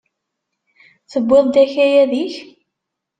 Tewwiḍ-d akayad-ik?